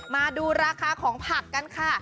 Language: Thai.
มาดูราคาของผักกันค่ะ